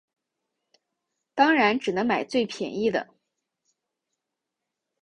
当然只能买最便宜的